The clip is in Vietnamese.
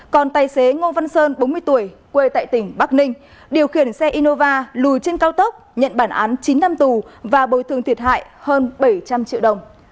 còn tài xế ngô văn sơn bốn mươi tuổi quê tại tỉnh bắc ninh điều khiển xe innova lùi trên cao tốc nhận bản án chín năm tù và bồi thương thiệt hại hơn bảy trăm linh triệu đồng